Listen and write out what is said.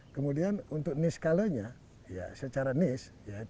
kemudian untuk niskalanya secara nis